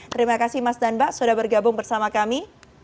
terima kasih mas dan mbak sudah bergabung bersama kami